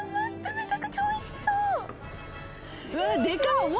めちゃくちゃおいしそう。